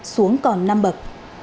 xuống còn năm bậc